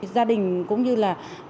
gia đình cũng như là